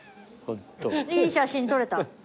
いい写真撮れた。